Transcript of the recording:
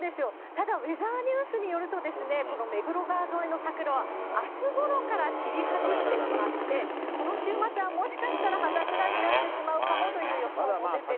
ただ、ウェザーニュースによると、この目黒川沿いの桜はあすごろから散り始めてしまって、この週末はもしかしたら、葉桜になってしまうかもという予想が出ているそうです。